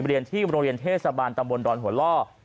เรียนที่โรงเรียนเทศบาลตำบลดอนหัวล่อ